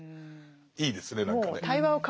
いいですね何かね。